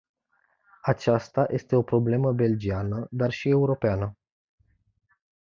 Aceasta este o problemă belgiană, dar și europeană.